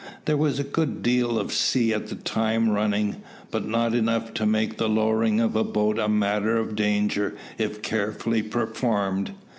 There was a good deal of sea at the time running, but not enough to make the lowering of a boat a matter of danger if carefully performed.